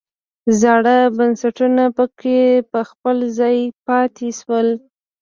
زاړه بنسټونه پکې په خپل ځای پاتې شول.